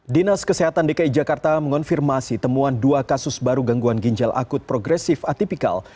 dinas kesehatan dki jakarta mengonfirmasi temuan dua kasus baru gangguan ginjal akut progresif atipikal